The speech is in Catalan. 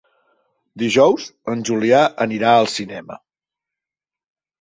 Dijous en Julià anirà al cinema.